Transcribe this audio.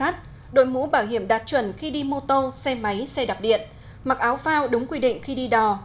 chuẩn khi đi mô tô xe máy xe đạp điện mặc áo phao đúng quy định khi đi đò